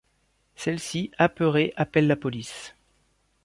Celle-ci, apeurée, appelle la police.